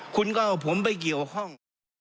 คุณก็เอาผมไปเกี่ยวข้อง